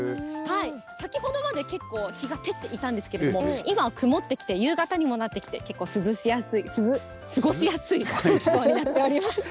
先ほどまで結構、日がてっていたんですけれども、今は曇ってきて、夕方にもなってきて、結構、過ごしやすい気候になっております。